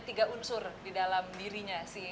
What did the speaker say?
tiga unsur di dalam dirinya